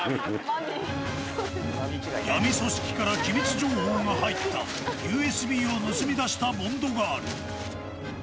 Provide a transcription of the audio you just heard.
闇組織から機密情報が入ったＵＳＢを盗み出したボンドガール。